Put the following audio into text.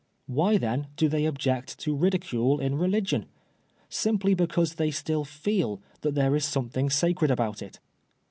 Why, then, do they object to ridicule in religion ? Simply because they still feel that there is something sacred about it.